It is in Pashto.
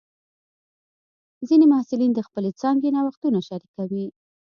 ځینې محصلین د خپلې څانګې نوښتونه شریکوي.